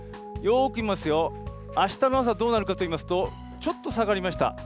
よーく見ますよ、あしたの朝どうなるかといいますと、ちょっと下がりました。